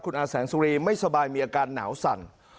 คุณอาแสงสุรีไม่สบายมีอาการหนาวสั่น